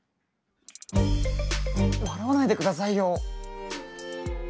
笑わないで下さいよ！